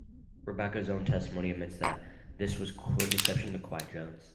Rebecca's own testimony admits this was a deception to quiet Jones.